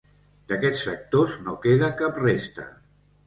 D'aquests sectors no queda cap resta.